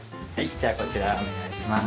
じゃあこちらお願いします。